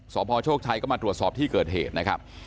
สพโชคชัยก็มาตรวจสอบที่เกิดเหตุนะครับ